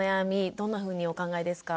どんなふうにお考えですか？